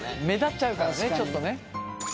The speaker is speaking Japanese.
目立っちゃうからねちょっとね。